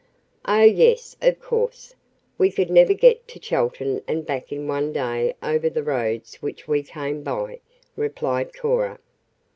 "Oh, yes, of course. We could never get to Chelton and back in one day over the roads which we came by," replied Cora.